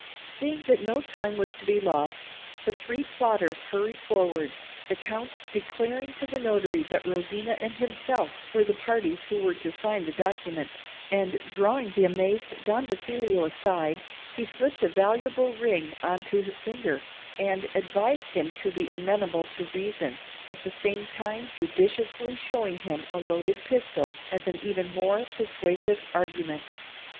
Seeing that no time was to be lost, the three plotters hurried forward, the Count declaring to the notary that Rosina and himself were the parties who were to sign the document; and drawing the amazed Don Basilio aside, he slipped a valuable ring on to his finger, and advised him to be amenable to reason, at the same time judiciously showing him a loaded pistol as an even more persuasive argument.